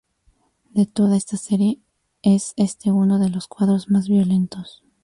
De toda esta serie, es este uno de los cuadros más violentos.